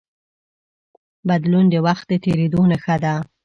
بدلون د وخت د تېرېدو نښه ده.